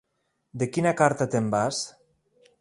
De quina carta te'n vas!